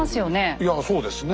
いやそうですね。